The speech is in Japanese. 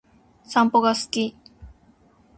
散歩が好き